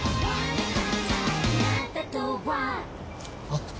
あっ。